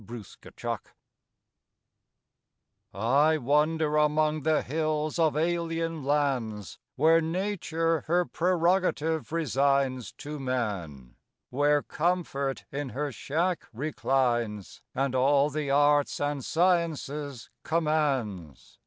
40 THE WANDERER I wander among the hills of alien lands Where Nature her prerogative resigns To Man; where Comfort in her shack reclines And all the arts and sciences commands.